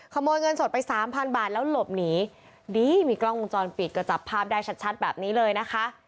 ขโมยเงินสดไปสามพันบาทแล้วหลบหนีดีมีกล้องวงจรปิดก็จับภาพได้ชัดชัดแบบนี้เลยนะคะ